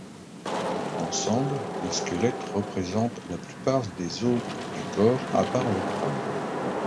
Ensemble les squelettes représentent la plupart des os du corps à part le crâne.